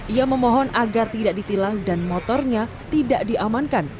ia memohon agar tidak ditilang dan motornya tidak diamankan